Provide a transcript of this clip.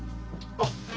あっ。